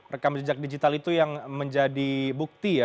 rekam jejak digital itu yang menjadi bukti ya